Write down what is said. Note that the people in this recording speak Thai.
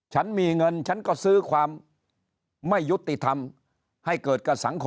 ฉันมีเงินฉันก็ซื้อความไม่ยุติธรรมให้เกิดกับสังคม